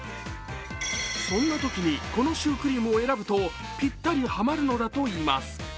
そんなときにこのシュークリームを選ぶとぴったりはまるのだといいます。